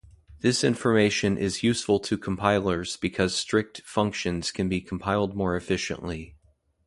This information is useful to compilers because strict functions can be compiled more efficiently.